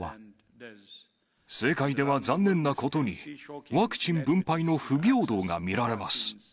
世界では残念なことに、ワクチン分配の不平等が見られます。